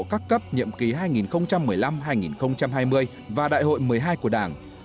các cấp nhiệm ký hai nghìn một mươi năm hai nghìn hai mươi và đại hội một mươi hai của đảng